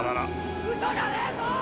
ウソじゃねえぞ！